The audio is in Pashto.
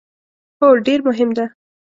هو، ډیر مهم ده